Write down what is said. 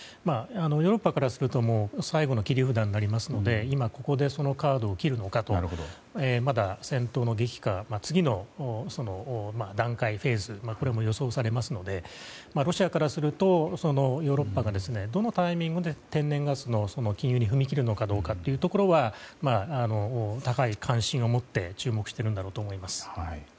ヨーロッパからすると最後の切り札になりますので今ここでそのカードを切るのかとまだ戦闘の激化次の段階、フェーズもこれも予想されますのでロシアからするとヨーロッパがどのタイミングで天然ガスの禁輸に踏み切るのかどうかは高い関心を持って注目してるんだと思います。